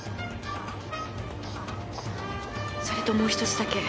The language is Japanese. それともうひとつだけ。